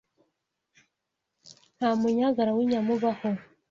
Nta munyagara w'inyama ubaho